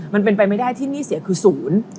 มันเป็นไปไม่ได้ที่หนี้เสียคือศูนย์